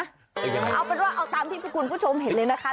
เอาเป็นว่าเอาตามที่คุณผู้ชมเห็นเลยนะคะ